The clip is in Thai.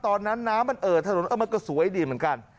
ตอนนั้นน้ำมันเอ่อถนนมันก็สวยดีเหมือนกัน